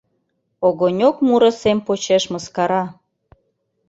«Огонёк» муро сем почеш мыскара